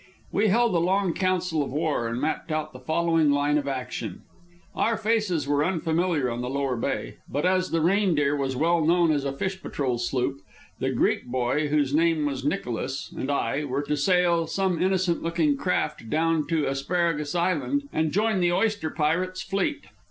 We held a long council of war, and mapped out the following line of action. Our faces were unfamiliar on the Lower Bay, but as the Reindeer was well known as a fish patrol sloop, the Greek boy, whose name was Nicholas, and I were to sail some innocent looking craft down to Asparagus Island and join the oyster pirates' fleet.